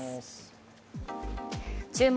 「注目！